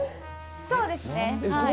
そうですねはい。